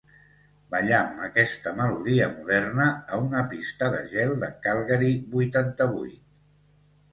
Ballam aquesta melodia moderna a una pista de gel de Calgary vuitanta-vuit.